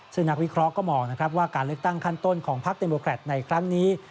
ซึ่งนักวิเคราะห์ก็มองนะครับว่าการเลือกตั้งขั้นต้นของพักเดโมแครตในครั้งนี้